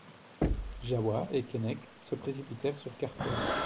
Jahoua et Keinec se précipitèrent sur Carfor.